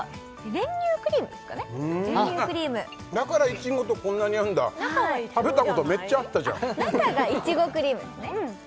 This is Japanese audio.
練乳クリームだからいちごとこんなに合うんだ食べたことめっちゃあったじゃん中がいちごクリームですね